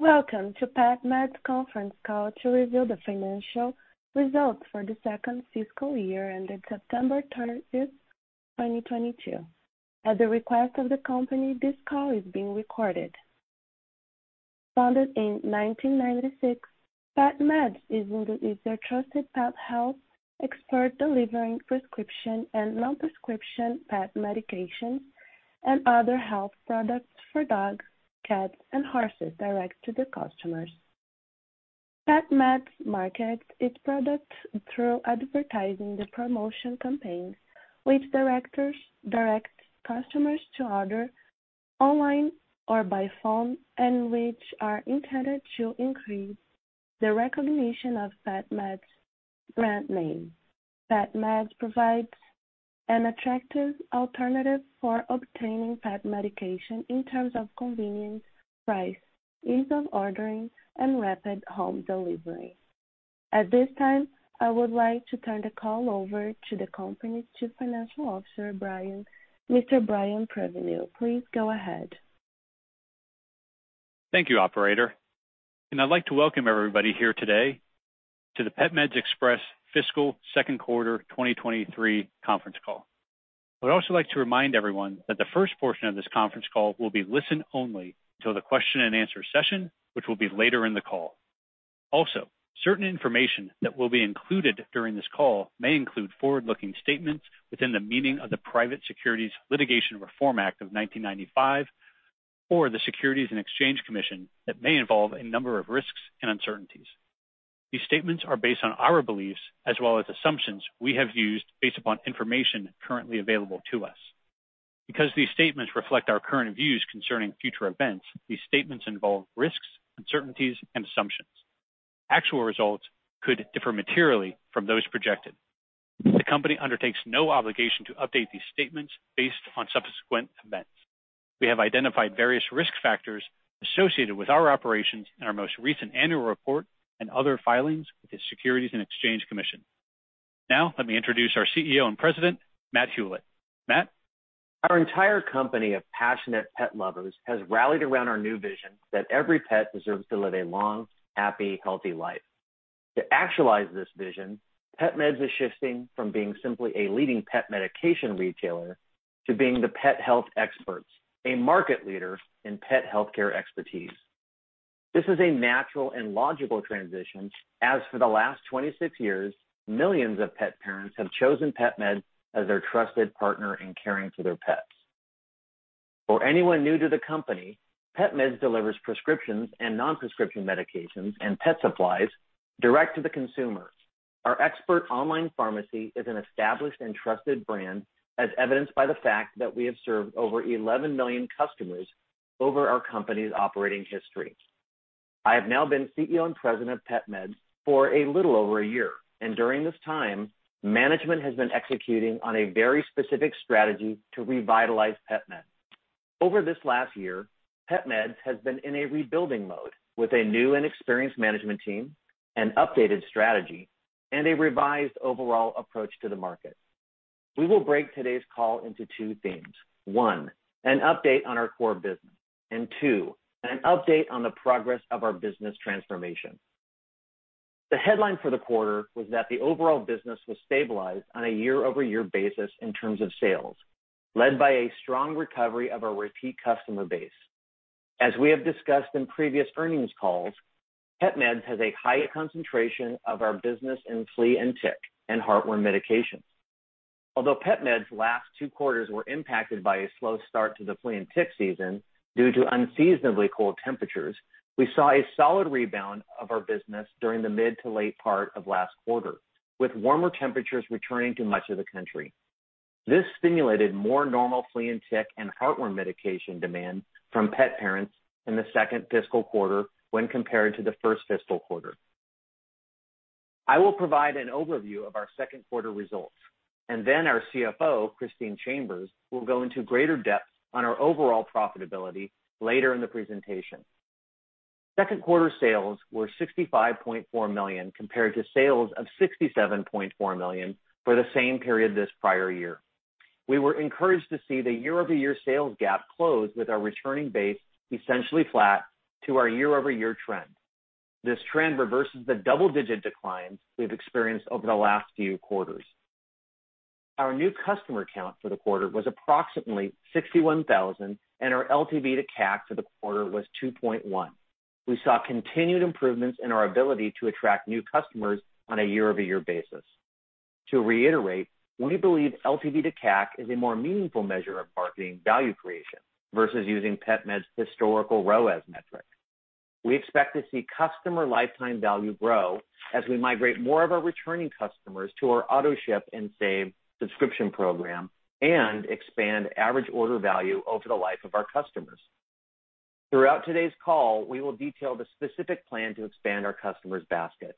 Welcome to PetMeds Conference Call to review the Financial Results for the Second Fiscal Year ended September 30th, 2022. At the request of the company, this call is being recorded. Founded in 1996, PetMeds is your trusted pet health expert delivering prescription and non-prescription pet medications and other health products for dogs, cats, and horses direct to the customers. PetMeds markets its products through advertising and promotion campaigns, which direct customers to order online or by phone, and which are intended to increase the recognition of PetMeds brand name. PetMeds provides an attractive alternative for obtaining pet medication in terms of convenience, price, ease of ordering and rapid home delivery. At this time, I would like to turn the call over to the company's Chief Financial Officer, Mr. Brian Prenoveau. Please go ahead. Thank you, operator. I'd like to welcome everybody here today to the PetMed Express fiscal second quarter 2023 conference call. I would also like to remind everyone that the first portion of this conference call will be listen-only until the question and answer session, which will be later in the call. Certain information that will be included during this call may include forward-looking statements within the meaning of the Private Securities Litigation Reform Act of 1995 or the Securities and Exchange Commission that may involve a number of risks and uncertainties. These statements are based on our beliefs as well as assumptions we have used based upon information currently available to us. Because these statements reflect our current views concerning future events, these statements involve risks, uncertainties and assumptions. Actual results could differ materially from those projected. The company undertakes no obligation to update these statements based on subsequent events. We have identified various risk factors associated with our operations in our most recent annual report and other filings with the Securities and Exchange Commission. Now, let me introduce our CEO and President, Matt Hulett. Matt. Our entire company of passionate pet lovers has rallied around our new vision that every pet deserves to live a long, happy, healthy life. To actualize this vision, PetMeds is shifting from being simply a leading pet medication retailer to being the pet health experts, a market leader in pet healthcare expertise. This is a natural and logical transition, as for the last 26 years, millions of pet parents have chosen PetMeds as their trusted partner in caring for their pets. For anyone new to the company, PetMeds delivers prescriptions and non-prescription medications and pet supplies direct to the consumer. Our expert online pharmacy is an established and trusted brand, as evidenced by the fact that we have served over 11 million customers over our company's operating history. I have now been CEO and President of PetMeds for a little over a year, and during this time, management has been executing on a very specific strategy to revitalize PetMeds. Over this last year, PetMeds has been in a rebuilding mode with a new and experienced management team, an updated strategy, and a revised overall approach to the market. We will break today's call into two themes. One, an update on our core business, and two, an update on the progress of our business transformation. The headline for the quarter was that the overall business was stabilized on a year-over-year basis in terms of sales, led by a strong recovery of our repeat customer base. As we have discussed in previous earnings calls, PetMeds has a high concentration of our business in flea and tick and heartworm medications. Although PetMeds last two quarters were impacted by a slow start to the flea and tick season due to unseasonably cold temperatures, we saw a solid rebound of our business during the mid- to late part of last quarter, with warmer temperatures returning to much of the country. This stimulated more normal flea and tick and heartworm medication demand from pet parents in the second fiscal quarter when compared to the first fiscal quarter. I will provide an overview of our second quarter results, and then our CFO, Christine Chambers, will go into greater depth on our overall profitability later in the presentation. Second quarter sales were $65.4 million compared to sales of $67.4 million for the same period this prior year. We were encouraged to see the year-over-year sales gap close with our returning base essentially flat to our year-over-year trend. This trend reverses the double-digit declines we've experienced over the last few quarters. Our new customer count for the quarter was approximately 61,000, and our LTV to CAC for the quarter was 2.1. We saw continued improvements in our ability to attract new customers on a year-over-year basis. To reiterate, we believe LTV to CAC is a more meaningful measure of marketing value creation versus using PetMeds historical ROAS metric. We expect to see customer lifetime value grow as we migrate more of our returning customers to our Autoship and Save subscription program and expand average order value over the life of our customers. Throughout today's call, we will detail the specific plan to expand our customer's basket.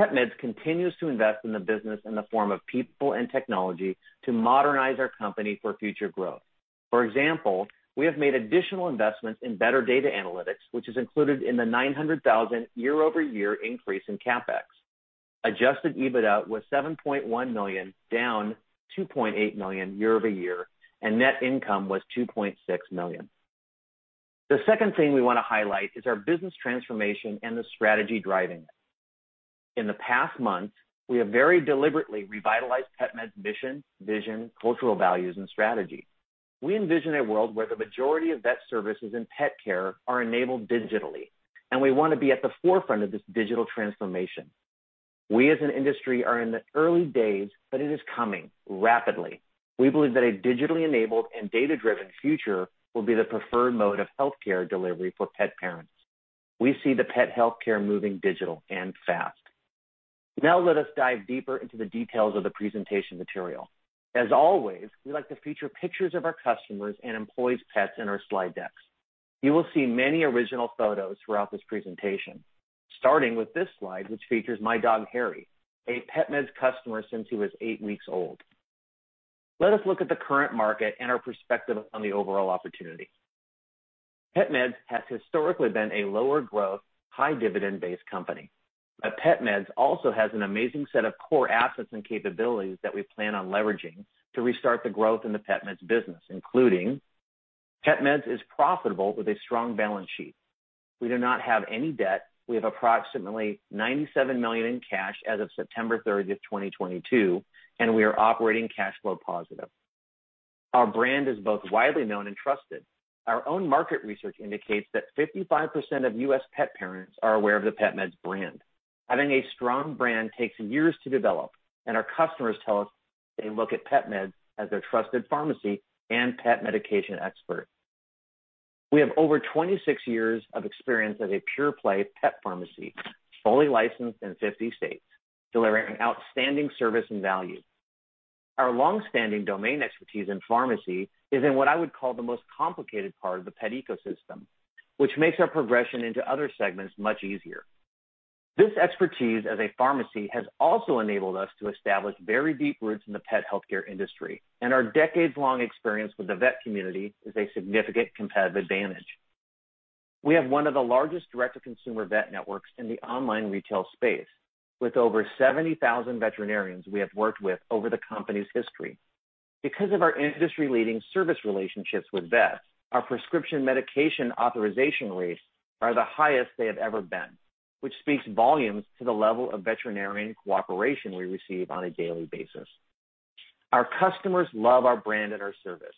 PetMeds continues to invest in the business in the form of people and technology to modernize our company for future growth. For example, we have made additional investments in better data analytics, which is included in the $900,000 year-over-year increase in CapEx. Adjusted EBITDA was $7.1 million, down $2.8 million year-over-year, and net income was $2.6 million. The second thing we wanna highlight is our business transformation and the strategy driving it. In the past months, we have very deliberately revitalized PetMeds's mission, vision, cultural values, and strategy. We envision a world where the majority of vet services and pet care are enabled digitally, and we wanna be at the forefront of this digital transformation. We, as an industry, are in the early days, but it is coming rapidly. We believe that a digitally enabled and data-driven future will be the preferred mode of healthcare delivery for pet parents. We see the pet healthcare moving digital and fast. Now let us dive deeper into the details of the presentation material. As always, we like to feature pictures of our customers and employees' pets in our slide decks. You will see many original photos throughout this presentation, starting with this slide, which features my dog, Harry, a PetMeds customer since he was eight weeks old. Let us look at the current market and our perspective on the overall opportunity. PetMeds has historically been a lower growth, high dividend-based company, but PetMeds also has an amazing set of core assets and capabilities that we plan on leveraging to restart the growth in the PetMeds business, including. PetMeds is profitable with a strong balance sheet. We do not have any debt. We have approximately $97 million in cash as of September 30th, 2022, and we are operating cash flow positive. Our brand is both widely known and trusted. Our own market research indicates that 55% of U.S. pet parents are aware of the PetMeds brand. Having a strong brand takes years to develop, and our customers tell us they look at PetMeds as their trusted pharmacy and pet medication expert. We have over 26 years of experience as a pure play pet pharmacy, fully licensed in 50 states, delivering outstanding service and value. Our long-standing domain expertise in pharmacy is in what I would call the most complicated part of the pet ecosystem, which makes our progression into other segments much easier. This expertise as a pharmacy has also enabled us to establish very deep roots in the pet healthcare industry, and our decades-long experience with the vet community is a significant competitive advantage. We have one of the largest direct-to-consumer vet networks in the online retail space with over 70,000 veterinarians we have worked with over the company's history. Because of our industry-leading service relationships with vets, our prescription medication authorization rates are the highest they have ever been, which speaks volumes to the level of veterinarian cooperation we receive on a daily basis. Our customers love our brand and our service.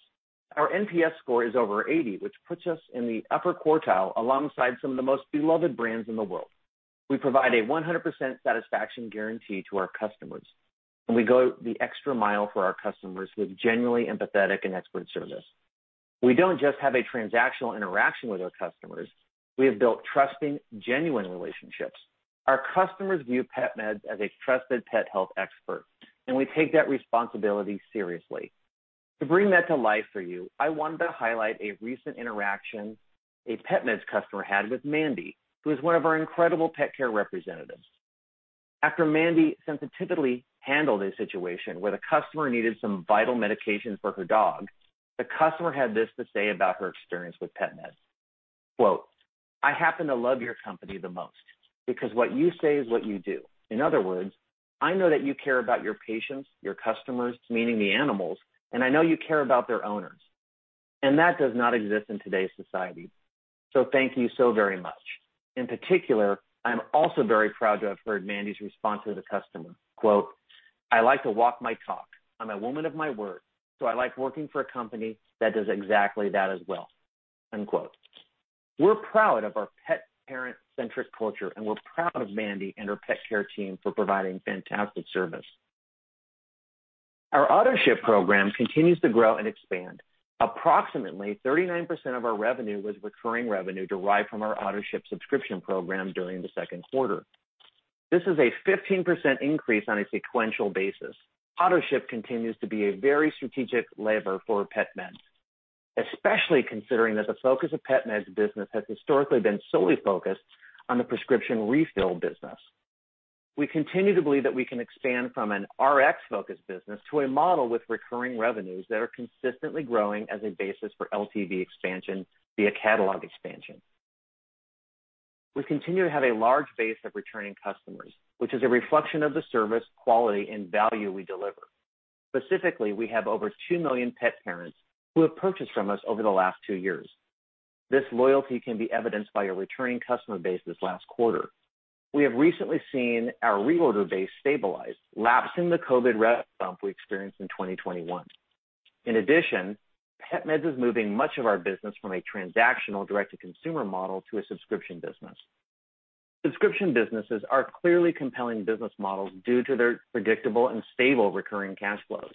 Our NPS score is over 80, which puts us in the upper quartile alongside some of the most beloved brands in the world. We provide a 100% satisfaction guarantee to our customers, and we go the extra mile for our customers with genuinely empathetic and expert service. We don't just have a transactional interaction with our customers; we have built trusting, genuine relationships. Our customers view PetMeds as a trusted pet health expert, and we take that responsibility seriously. To bring that to life for you, I wanted to highlight a recent interaction a PetMeds's customer had with Mandy, who is one of our incredible pet care representatives. After Mandy sensitively handled a situation where the customer needed some vital medications for her dog, the customer had this to say about her experience with PetMeds. Quote, "I happen to love your company the most because what you say is what you do. In other words, I know that you care about your patients, your customers, meaning the animals, and I know you care about their owners, and that does not exist in today's society. So thank you so very much." In particular, I'm also very proud to have heard Mandy's response to the customer. Quote, "I like to walk my talk. I'm a woman of my word, so I like working for a company that does exactly that as well." Unquote. We're proud of our pet parent-centric culture, and we're proud of Mandy and her pet care team for providing fantastic service. Our AutoShip program continues to grow and expand. Approximately 39% of our revenue was recurring revenue derived from our AutoShip subscription program during the second quarter. This is a 15% increase on a sequential basis. AutoShip continues to be a very strategic lever for PetMed, especially considering that the focus of PetMed's business has historically been solely focused on the prescription refill business. We continue to believe that we can expand from an Rx-focused business to a model with recurring revenues that are consistently growing as a basis for LTV expansion via catalog expansion. We continue to have a large base of returning customers, which is a reflection of the service, quality, and value we deliver. Specifically, we have over 2 million pet parents who have purchased from us over the last two years. This loyalty can be evidenced by a returning customer base this last quarter. We have recently seen our reorder base stabilize, lapsing the COVID rebound bump we experienced in 2021. In addition, PetMeds is moving much of our business from a transactional direct-to-consumer model to a subscription business. Subscription businesses are clearly compelling business models due to their predictable and stable recurring cash flows.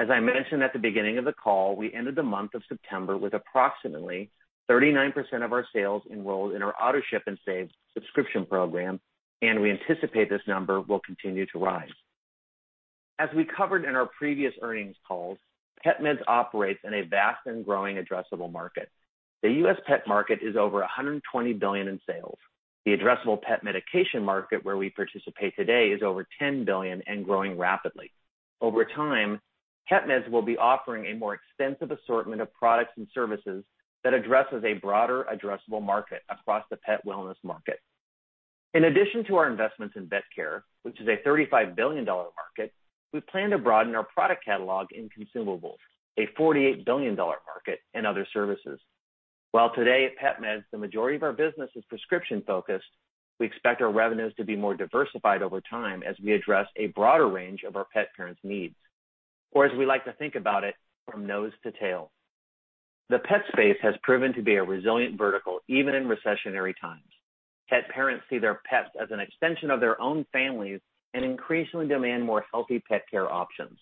As I mentioned at the beginning of the call, we ended the month of September with approximately 39% of our sales enrolled in our Autoship and Save subscription program, and we anticipate this number will continue to rise. As we covered in our previous earnings calls, PetMeds operates in a vast and growing addressable market. The U.S. pet market is over $120 billion in sales. The addressable pet medication market, where we participate today, is over $10 billion and growing rapidly. Over time, PetMeds will be offering a more extensive assortment of products and services that addresses a broader addressable market across the pet wellness market. In addition to our investments in vet care, which is a $35 billion market, we plan to broaden our product catalog in consumables, a $48 billion market, and other services. While today at PetMeds the majority of our business is prescription-focused, we expect our revenues to be more diversified over time as we address a broader range of our pet parents' needs. As we like to think about it, from nose to tail. The pet space has proven to be a resilient vertical even in recessionary times. Pet parents see their pets as an extension of their own families and increasingly demand more healthy pet care options.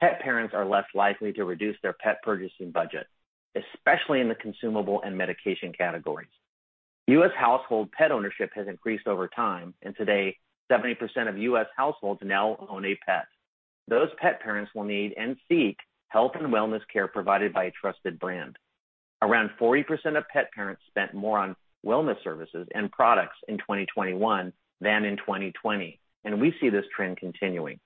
Pet parents are less likely to reduce their pet purchasing budget, especially in the consumable and medication categories. U.S. household pet ownership has increased over time, and today, 70% of U.S. households now own a pet. Those pet parents will need and seek health and wellness care provided by a trusted brand. Around 40% of pet parents spent more on wellness services and products in 2021 than in 2020, and we see this trend continuing.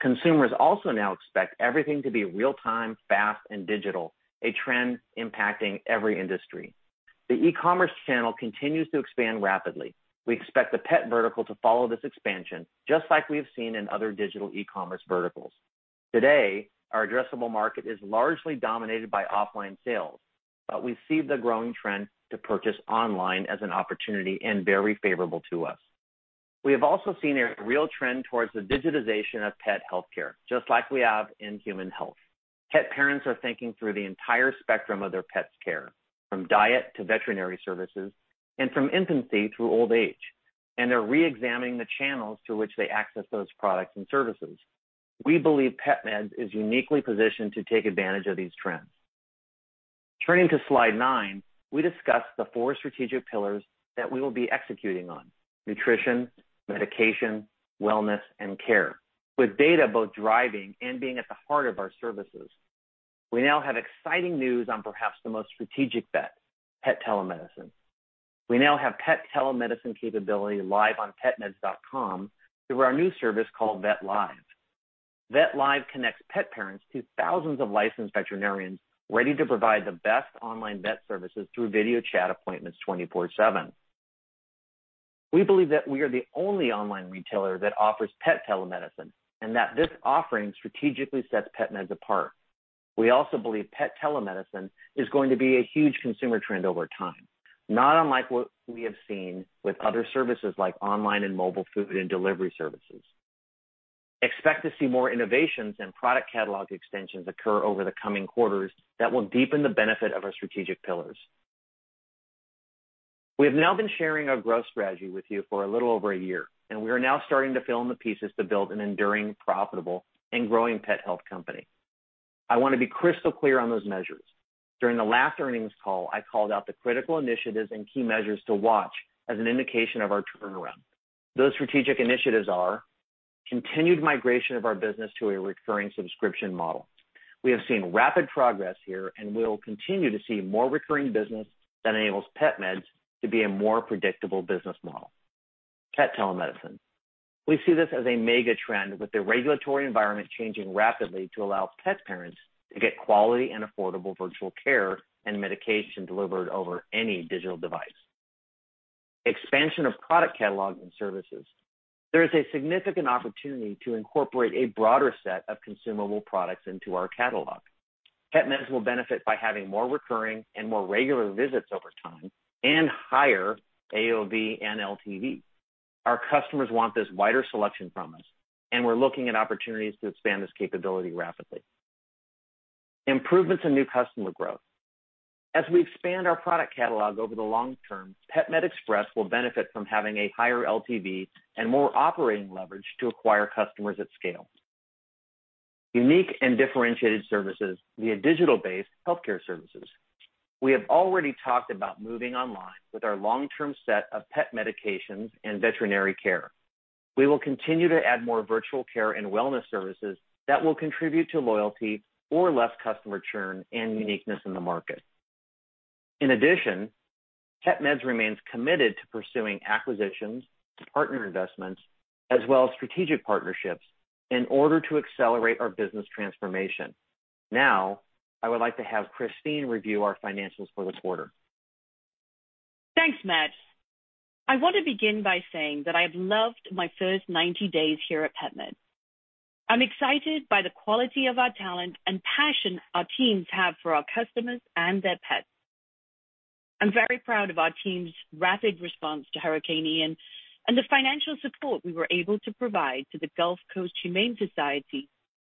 Consumers also now expect everything to be real-time, fast, and digital, a trend impacting every industry. The e-commerce channel continues to expand rapidly. We expect the pet vertical to follow this expansion, just like we have seen in other digital e-commerce verticals. Today, our addressable market is largely dominated by offline sales, but we see the growing trend to purchase online as an opportunity and very favorable to us. We have also seen a real trend towards the digitization of pet healthcare, just like we have in human health. Pet parents are thinking through the entire spectrum of their pet's care, from diet to veterinary services and from infancy through old age, and they're reexamining the channels to which they access those products and services. We believe PetMeds is uniquely positioned to take advantage of these trends. Turning to slide nine, we discussed the four strategic pillars that we will be executing on, nutrition, medication, wellness, and care. With data both driving and being at the heart of our services, we now have exciting news on perhaps the most strategic bet, pet telemedicine. We now have pet telemedicine capability live on PetMeds.com through our new service called Vet Live. Vet Live connects pet parents to thousands of licensed veterinarians ready to provide the best online vet services through video chat appointments 24/7. We believe that we are the only online retailer that offers pet telemedicine, and that this offering strategically sets PetMeds apart. We also believe pet telemedicine is going to be a huge consumer trend over time, not unlike what we have seen with other services like online and mobile food and delivery services. Expect to see more innovations and product catalog extensions occur over the coming quarters that will deepen the benefit of our strategic pillars. We have now been sharing our growth strategy with you for a little over a year, and we are now starting to fill in the pieces to build an enduring, profitable, and growing pet health company. I want to be crystal clear on those measures. During the last earnings call, I called out the critical initiatives and key measures to watch as an indication of our turnaround. Those strategic initiatives are continued migration of our business to a recurring subscription model. We have seen rapid progress here and will continue to see more recurring business that enables PetMeds to be a more predictable business model. Pet telemedicine. We see this as a mega trend with the regulatory environment changing rapidly to allow pet parents to get quality and affordable virtual care and medication delivered over any digital device. Expansion of product catalog and services. There is a significant opportunity to incorporate a broader set of consumable products into our catalog. PetMeds will benefit by having more recurring and more regular visits over time and higher AOV and LTV. Our customers want this wider selection from us, and we're looking at opportunities to expand this capability rapidly. Improvements in new customer growth. As we expand our product catalog over the long term, PetMed Express will benefit from having a higher LTV and more operating leverage to acquire customers at scale. Unique and differentiated services via digital-based healthcare services. We have already talked about moving online with our long-term set of pet medications and veterinary care. We will continue to add more virtual care and wellness services that will contribute to loyalty or less customer churn and uniqueness in the market. In addition, PetMeds remains committed to pursuing acquisitions, partner investments, as well as strategic partnerships in order to accelerate our business transformation. Now, I would like to have Christine review our financials for the quarter. Thanks, Matt. I want to begin by saying that I've loved my first 90 days here at PetMeds. I'm excited by the quality of our talent and passion our teams have for our customers and their pets. I'm very proud of our team's rapid response to Hurricane Ian and the financial support we were able to provide to the Gulf Coast Humane Society,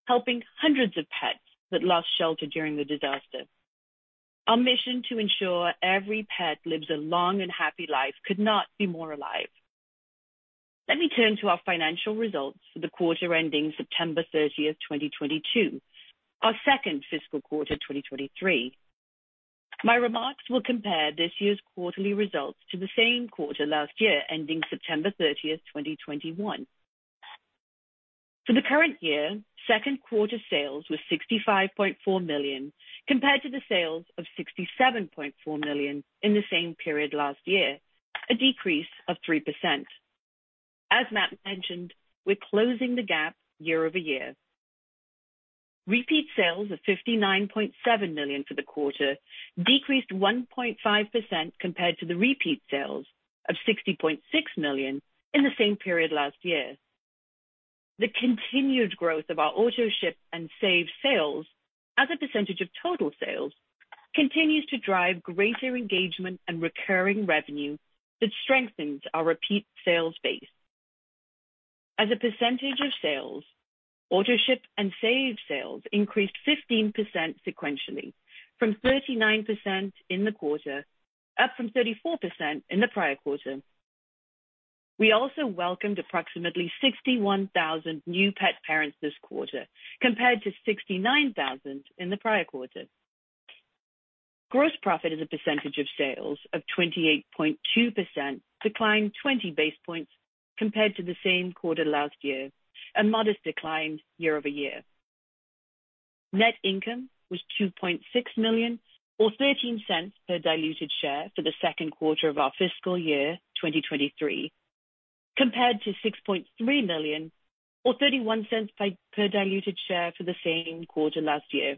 helping hundreds of pets that lost shelter during the disaster. Our mission to ensure every pet lives a long and happy life could not be more alive. Let me turn to our financial results for the quarter ending September 30th, 2022, our second fiscal quarter, 2023. My remarks will compare this year's quarterly results to the same quarter last year, ending September 30th, 2021. For the current year, second quarter sales were $65.4 million, compared to the sales of $67.4 million in the same period last year. A decrease of 3%. As Matt mentioned, we're closing the gap year-over-year. Repeat sales of $59.7 million for the quarter decreased 1.5% compared to the repeat sales of $60.6 million in the same period last year. The continued growth of our Autoship and Save sales as a percentage of total sales continues to drive greater engagement and recurring revenue that strengthens our repeat sales base. As a percentage of sales, Autoship and Save sales increased 15% sequentially from 39% in the quarter, up from 34% in the prior quarter. We also welcomed approximately 61,000 new pet parents this quarter, compared to 69,000 in the prior quarter. Gross profit as a percentage of sales of 28.2% declined 20 basis points compared to the same quarter last year, a modest decline year-over-year. Net income was $2.6 million, or $0.13 per diluted share for the second quarter of our fiscal year 2023, compared to $6.3 million or $0.31 per diluted share for the same quarter last year.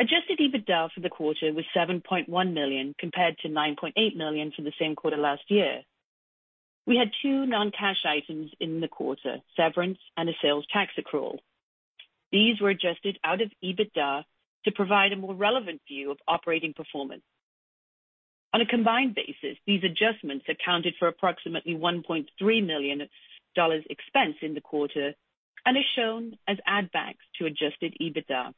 Adjusted EBITDA for the quarter was $7.1 million compared to $9.8 million for the same quarter last year. We had two non-cash items in the quarter, severance and a sales tax accrual. These were adjusted out of EBITDA to provide a more relevant view of operating performance. On a combined basis, these adjustments accounted for approximately $1.3 million expense in the quarter and is shown as add backs to adjusted EBITDA.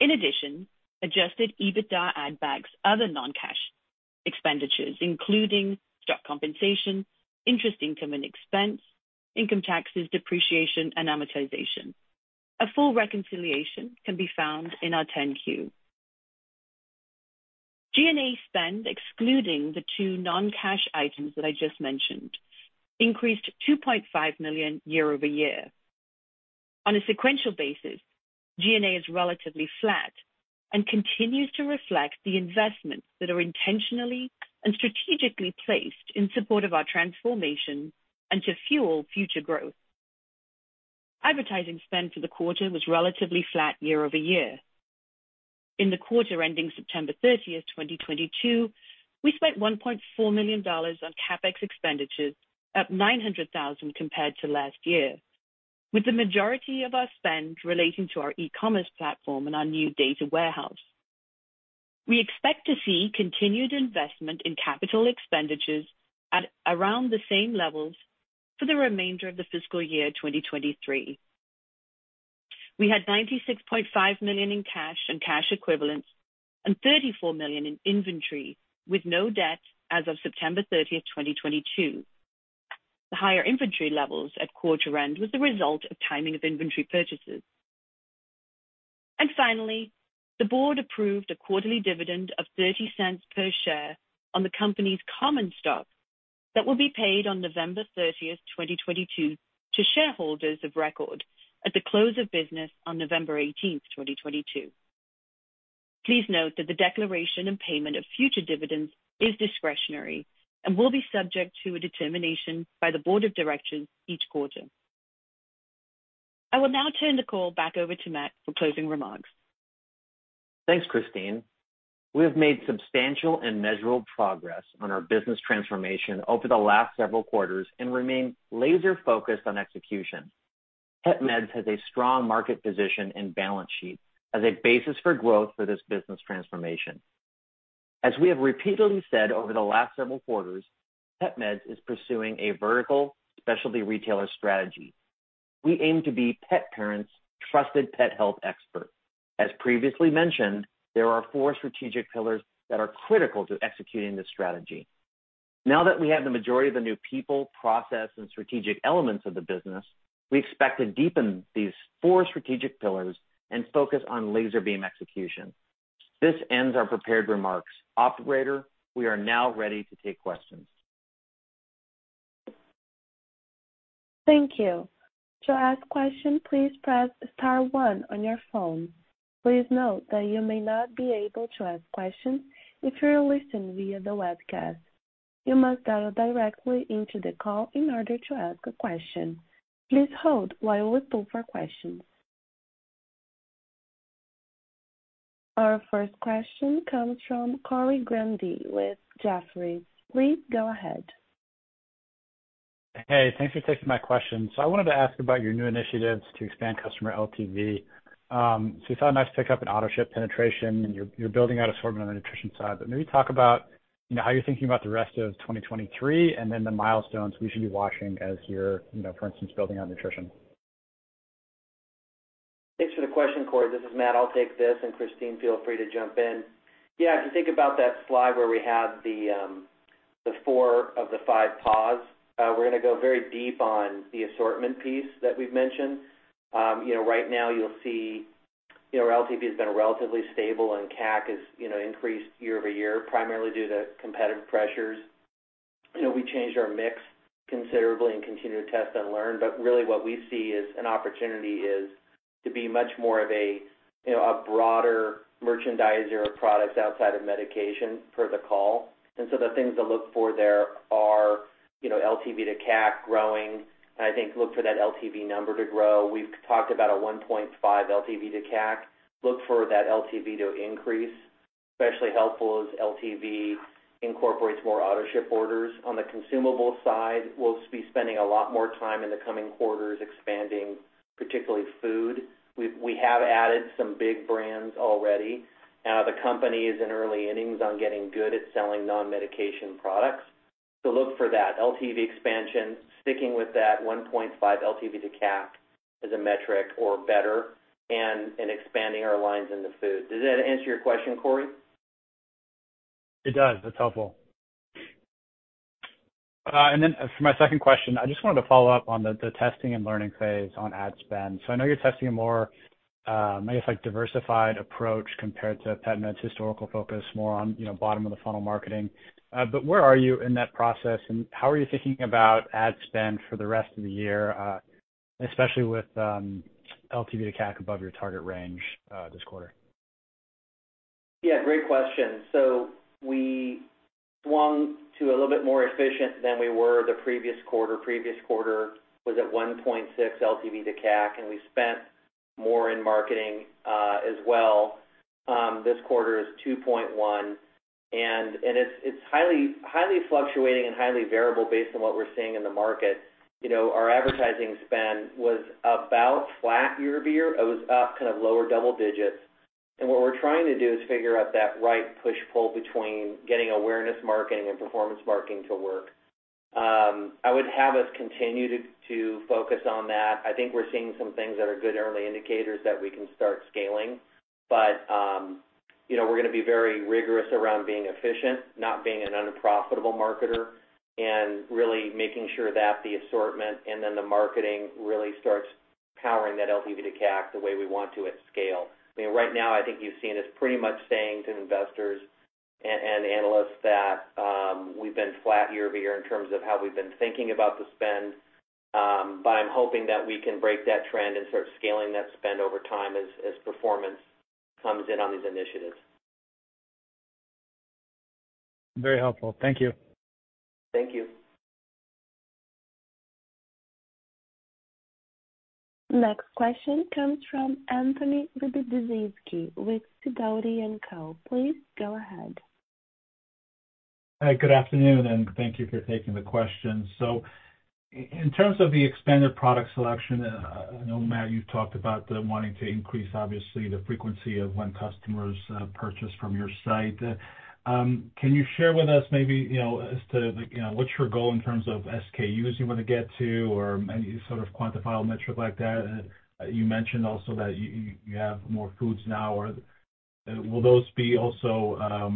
In addition, adjusted EBITDA add backs other non-cash expenditures including stock compensation, interest income and expense, income taxes, depreciation, and amortization. A full reconciliation can be found in our 10-Q. G&A spend, excluding the two non-cash items that I just mentioned, increased $2.5 million year-over-year. On a sequential basis, G&A is relatively flat and continues to reflect the investments that are intentionally and strategically placed in support of our transformation and to fuel future growth. Advertising spend for the quarter was relatively flat year-over-year. In the quarter ending September 30th, 2022, we spent $1.4 million on CapEx expenditures, up $900,000 compared to last year, with the majority of our spend relating to our e-commerce platform and our new data warehouse. We expect to see continued investment in capital expenditures at around the same levels for the remainder of the fiscal year 2023. We had $96.5 million in cash and cash equivalents and $34 million in inventory, with no debt as of September 30th, 2022. The higher inventory levels at quarter end was the result of timing of inventory purchases. Finally, the board approved a quarterly dividend of $0.30 per share on the company's common stock that will be paid on November 30th, 2022 to shareholders of record at the close of business on November 18th, 2022. Please note that the declaration and payment of future dividends is discretionary and will be subject to a determination by the board of directors each quarter. I will now turn the call back over to Matt for closing remarks. Thanks, Christine. We have made substantial and measurable progress on our business transformation over the last several quarters and remain laser-focused on execution. PetMeds has a strong market position and balance sheet as a basis for growth for this business transformation. As we have repeatedly said over the last several quarters, PetMeds is pursuing a vertical specialty retailer strategy. We aim to be pet parents' trusted pet health expert. As previously mentioned, there are four strategic pillars that are critical to executing this strategy. Now that we have the majority of the new people, process, and strategic elements of the business, we expect to deepen these four strategic pillars and focus on laser beam execution. This ends our prepared remarks. Operator, we are now ready to take questions. Thank you. To ask a question, please press star one on your phone. Please note that you may not be able to ask questions if you are listening via the webcast. You must dial directly into the call in order to ask a question. Please hold while we look for questions. Our first question comes from Corey Grady with Jefferies. Please go ahead. Hey, thanks for taking my question. I wanted to ask about your new initiatives to expand customer LTV. We saw a nice pickup in Autoship penetration, and you're building out assortment on the nutrition side, but maybe talk about, you know, how you're thinking about the rest of 2023 and then the milestones we should be watching as you're, you know, for instance, building on nutrition. Thanks for the question, Corey. This is Matt. I'll take this, and Christine, feel free to jump in. Yeah, if you think about that slide where we have the four of the five paws, we're gonna go very deep on the assortment piece that we've mentioned. You know, right now you'll see, you know, our LTV has been relatively stable and CAC has, you know, increased year-over-year primarily due to competitive pressures. You know, we changed our mix considerably and continue to test and learn. Really what we see is an opportunity is to be much more of a, you know, a broader merchandiser of products outside of medication per the call. The things to look for there are, you know, LTV to CAC growing, and I think look for that LTV number to grow. We've talked about a 1.5 LTV to CAC. Look for that LTV to increase, especially helpful as LTV incorporates more Autoship orders. On the consumable side, we'll be spending a lot more time in the coming quarters expanding, particularly food. We have added some big brands already. The company is in early innings on getting good at selling non-medication products. Look for that LTV expansion, sticking with that 1.5 LTV to CAC as a metric or better, and expanding our lines into food. Does that answer your question, Corey? It does. That's helpful. For my second question, I just wanted to follow up on the testing and learning phase on ad spend. I know you're testing a more, I guess like diversified approach compared to PetMeds historical focus, more on, you know, bottom of the funnel marketing. Where are you in that process, and how are you thinking about ad spend for the rest of the year, especially with LTV to CAC above your target range, this quarter? Yeah, great question. We swung to a little bit more efficient than we were the previous quarter. Previous quarter was at 1.6 LTV to CAC, and we spent more in marketing, as well. This quarter is 2.1, and it's highly fluctuating and highly variable based on what we're seeing in the market. You know, our advertising spend was about flat year-over-year. It was up kind of lower double digits. What we're trying to do is figure out that right push-pull between getting awareness marketing and performance marketing to work. I would have us continue to focus on that. I think we're seeing some things that are good early indicators that we can start scaling. You know, we're gonna be very rigorous around being efficient, not being an unprofitable marketer, and really making sure that the assortment and then the marketing really starts powering that LTV to CAC the way we want to at scale. I mean, right now I think you've seen us pretty much saying to investors and analysts that, we've been flat year-over-year in terms of how we've been thinking about the spend. I'm hoping that we can break that trend and start scaling that spend over time as performance comes in on these initiatives. Very helpful. Thank you. Thank you. Next question comes from Anthony Lebiedzinski with Sidoti & Co. Please go ahead. Hi, good afternoon, and thank you for taking the question. In terms of the expanded product selection, I know, Matt, you talked about the wanting to increase obviously the frequency of when customers purchase from your site. Can you share with us maybe, you know, as to like, you know, what's your goal in terms of SKUs you wanna get to or any sort of quantifiable metric like that? You mentioned also that you have more foods now or will those be also drop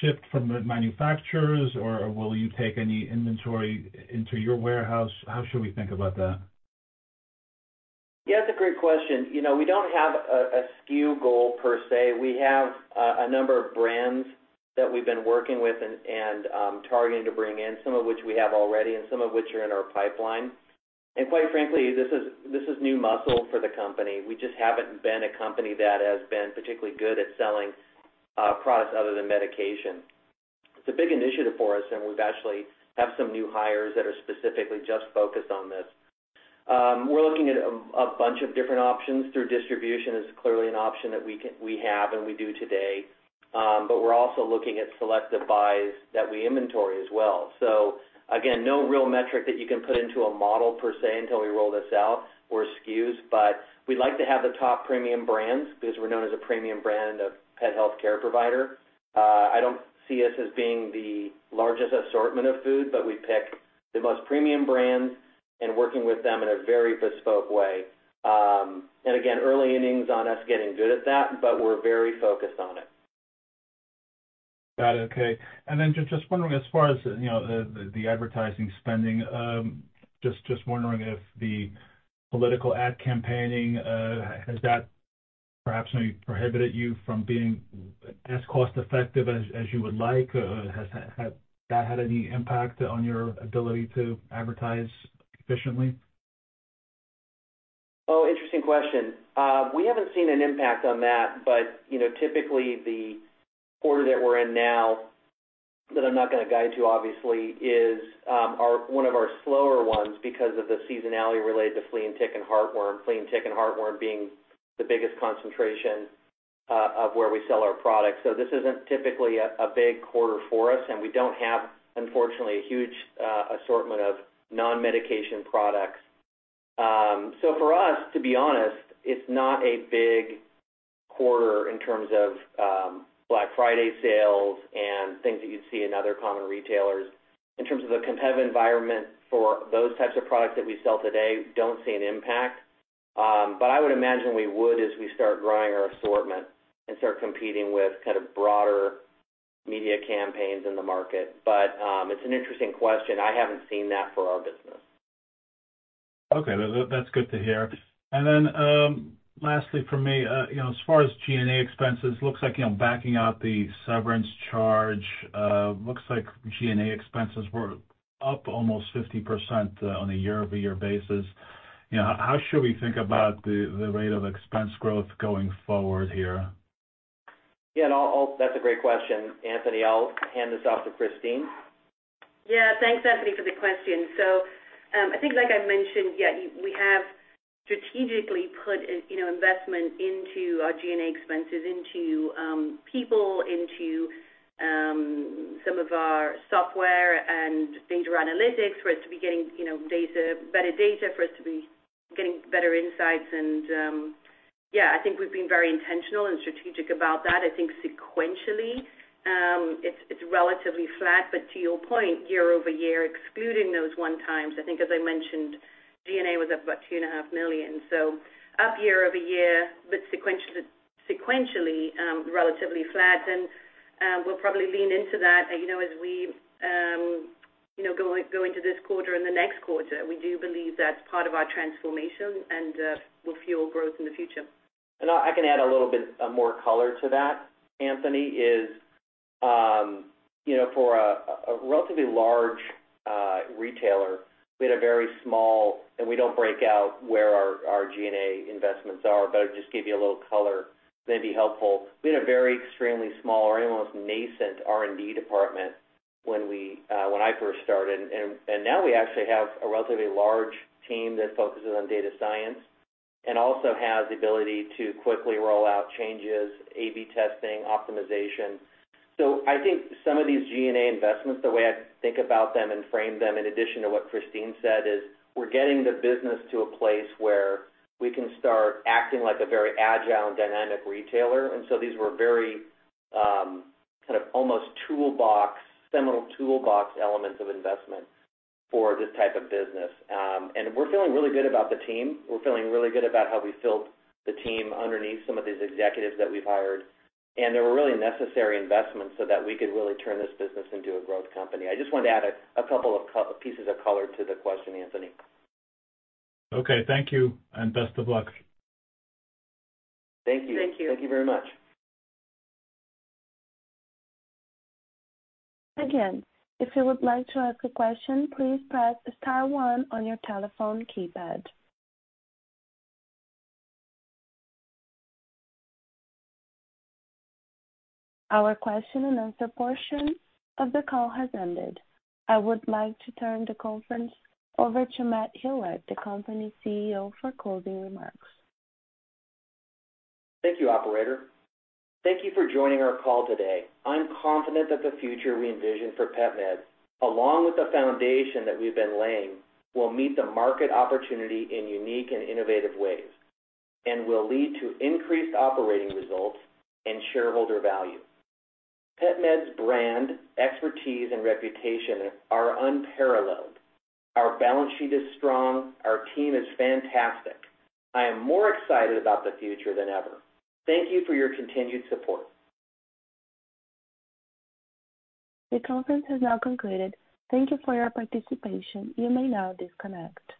shipped from the manufacturers or will you take any inventory into your warehouse? How should we think about that? Yeah, that's a great question. You know, we don't have a SKU goal per se. We have a number of brands that we've been working with and targeting to bring in, some of which we have already and some of which are in our pipeline. Quite frankly, this is new muscle for the company. We just haven't been a company that has been particularly good at selling products other than medication. It's a big initiative for us, and we've actually have some new hires that are specifically just focused on this. We're looking at a bunch of different options. Through distribution is clearly an option that we have and we do today. But we're also looking at selective buys that we inventory as well. Again, no real metric that you can put into a model per se until we roll this out or SKUs, but we'd like to have the top premium brands because we're known as a premium brand of pet healthcare provider. I don't see us as being the largest assortment of food, but we pick the most premium brands and working with them in a very bespoke way. Again, early innings on us getting good at that, but we're very focused on it. Got it. Okay. Just wondering as far as, you know, the advertising spending, just wondering if the political ad campaigning has that perhaps maybe prohibited you from being as cost effective as you would like? Or has that had any impact on your ability to advertise efficiently? Interesting question. We haven't seen an impact on that. You know, typically the quarter that we're in now, that I'm not gonna guide to obviously, is one of our slower ones because of the seasonality related to flea and tick and heartworm. Flea and tick and heartworm being the biggest concentration of where we sell our products. This isn't typically a big quarter for us, and we don't have, unfortunately, a huge assortment of non-medication products. For us, to be honest, it's not a big quarter in terms of Black Friday sales and things that you'd see in other common retailers. In terms of the competitive environment for those types of products that we sell today, don't see an impact. I would imagine we would as we start growing our assortment and start competing with kind of broader media campaigns in the market. It's an interesting question. I haven't seen that for our business. Okay. That's good to hear. Lastly for me, you know, as far as G&A expenses, looks like, you know, backing out the severance charge, looks like G&A expenses were up almost 50% on a year-over-year basis. You know, how should we think about the rate of expense growth going forward here? Yeah. That's a great question, Anthony. I'll hand this off to Christine. Thanks, Anthony, for the question. I think like I mentioned, we have strategically put in, you know, investment into our G&A expenses into people, into some of our software and data analytics for us to be getting, you know, data, better data for us to be getting better insights and, I think we've been very intentional and strategic about that. I think sequentially, it's relatively flat. To your point, year-over-year, excluding those one-time, I think as I mentioned, G&A was up about $2.5 million. Up year-over-year, but sequentially, relatively flat. We'll probably lean into that, you know, as we go into this quarter and the next quarter. We do believe that's part of our transformation and will fuel growth in the future. I can add a little bit more color to that, Anthony. You know, for a relatively large retailer, we had a very small. We don't break out where our G&A investments are, but just give you a little color, maybe helpful. We had a very extremely small or almost nascent R&D department when we when I first started. Now we actually have a relatively large team that focuses on data science and also has the ability to quickly roll out changes, A/B testing, optimization. I think some of these G&A investments, the way I think about them and frame them, in addition to what Christine said, is we're getting the business to a place where we can start acting like a very agile and dynamic retailer. These were very, kind of almost toolbox, seminal toolbox elements of investment for this type of business. We're feeling really good about the team. We're feeling really good about how we filled the team underneath some of these executives that we've hired. They were really necessary investments so that we could really turn this business into a growth company. I just wanted to add a couple of pieces of color to the question, Anthony. Okay. Thank you, and best of luck. Thank you. Thank you. Thank you very much. Again, if you would like to ask a question, please press star one on your telephone keypad. Our question-and-answer portion of the call has ended. I would like to turn the conference over to Matthew Hulett, the company's CEO, for closing remarks. Thank you, operator. Thank you for joining our call today. I'm confident that the future we envision for PetMeds, along with the foundation that we've been laying, will meet the market opportunity in unique and innovative ways and will lead to increased operating results and shareholder value. PetMeds brand, expertise, and reputation are unparalleled. Our balance sheet is strong. Our team is fantastic. I am more excited about the future than ever. Thank you for your continued support. The conference has now concluded. Thank you for your participation. You may now disconnect.